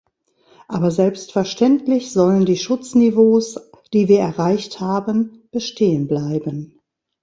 Aber selbstverständlich sollen die Schutzniveaus, die wir erreicht haben, bestehen bleiben.